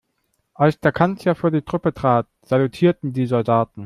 Als der Kanzler vor die Truppe trat, salutierten die Soldaten.